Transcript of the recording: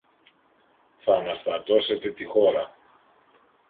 Θ' αναστατώσετε τη χώρα!